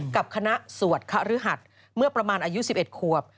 กับคณะสวดคฤหัสเมื่อประมาณอายุ๑๑ขวบ